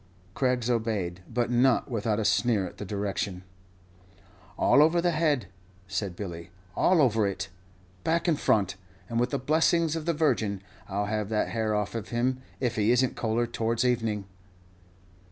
Craggs obeyed, but not without a sneer at the direction. "All over the head," said Billy; "all over it, back and front, and with the blessing of the Virgin, I'll have that hair off of him if he is n't cooler towards evening."